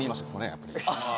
やっぱり。